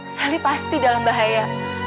sally pasti dalam bahaya